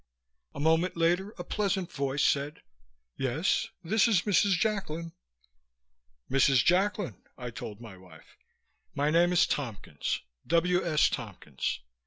A moment later a pleasant voice said, "Yes? This is Mrs. Jacklin." "Mrs. Jacklin," I told my wife, "my name is Tompkins, W. S. Tompkins.